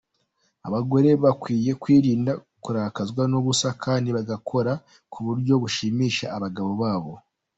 Abagore bakwiye kwirinda kurakazwa n’ubusa kandi bagakora ku buryo bashimisha abagabo babo.